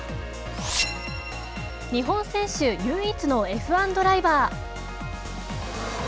日本選手唯一のＦ１ドライバー。